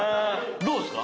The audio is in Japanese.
どうですか？